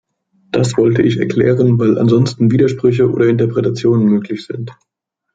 Das wollte ich erklären, weil ansonsten Widersprüche oder Interpretationen möglich sind.